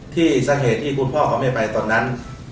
สาเหตุที่คุณพ่อเขาไม่ไปตอนนั้น